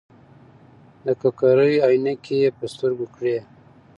د ککرۍ عینکې یې په سترګو کړې.